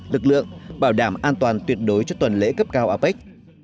lực lượng bảo đảm an toàn tuyệt đối cho tuần lễ cấp cao apec